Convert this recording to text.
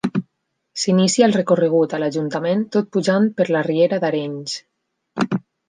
S'inicia el recorregut a l'Ajuntament tot pujant per la riera d’Arenys.